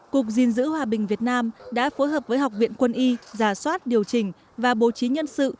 cục dình dữ hòa bình việt nam đã phối hợp với học viện quân y ra soát điều chỉnh và bố trí nhân sự